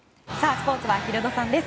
スポーツはヒロドさんです。